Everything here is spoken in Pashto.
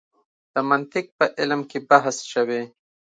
د منطق په علم کې بحث شوی.